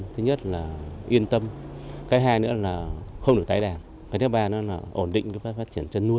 thứ nhất là yên tâm cái hai nữa là không được tái đàn cái thứ ba nó là ổn định cái phát triển chăn nuôi